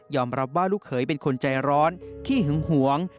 รับว่าลูกเขยเป็นคนใจร้อนขี้หึงหวง